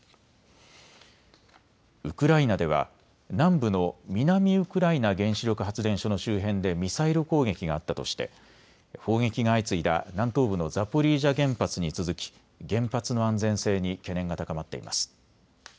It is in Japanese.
ウクライナでは南部の南ウクライナ原子力発電所の周辺でミサイル攻撃があったとして砲撃が相次いだ南東部のザポリージャ原発に続き原発の安全性に懸念が高まっています。